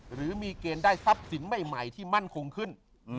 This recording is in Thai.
หรือมีเกณฑ์ได้ทรัพย์สินใหม่ที่มั่นคงขึ้น